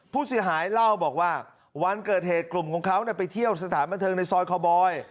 ผู้เสียหายเล่าบอกว่าวันเกิดเหตุกลุ่มของเขาไปเที่ยวสถานบันเทิงในซอยคาวบอย